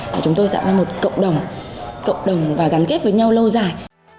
và chúng tôi sẽ là một cộng đồng và gắn kết với nhau lâu dài